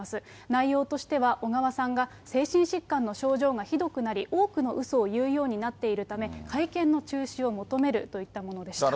内容としては、小川さんが精神疾患の症状がひどくなり、多くのうそを言うようになっており、会見の中止を求めるといったものでした。